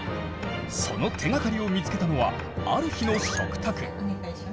その手がかりを見つけたのはある日の食卓。